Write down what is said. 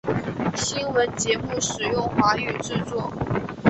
新闻节目使用华语制作。